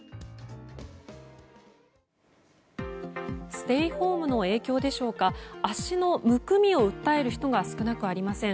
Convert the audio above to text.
ステイホームの影響でしょうか足のむくみを訴える人が少なくありません。